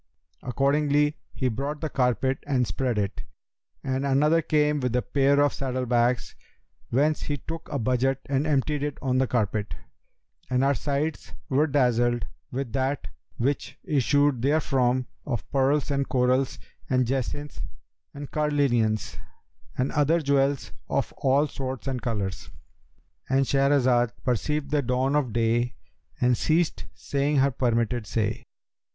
Accordingly he brought the carpet and spread it, and another came with a pair of saddle bags, whence he took a budget and emptied it on the carpet; and our sights were dazzled with that which issued therefrom of pearls and corals and jacinths and carnelians and other jewels of all sorts and colours."—And Shahrazad perceived the dawn of day and ceased saying her permitted say.